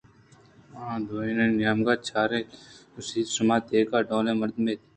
آ دوئینانی نیمگ ءَ چاران آئی ءَگوٛشت شما دگہ ڈولیں مردم اِت